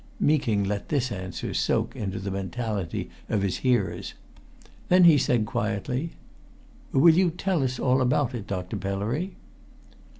Meeking let this answer soak into the mentality of his hearers. Then he said quietly: "Will you tell us all about it, Dr. Pellery?"